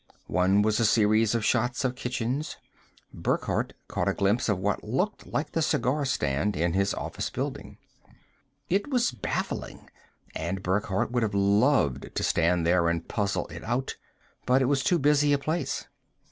One was a series of shots of kitchens. Burckhardt caught a glimpse of what looked like the cigar stand in his office building. It was baffling and Burckhardt would have loved to stand there and puzzle it out, but it was too busy a place.